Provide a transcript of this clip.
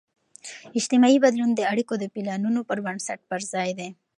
اجتماعي بدلون د اړیکو د پلانون پر بنسټ پرځای دی.